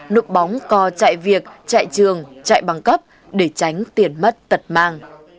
nụ bóng co chạy việc chạy trường chạy băng cấp để tránh tiền mất tật mang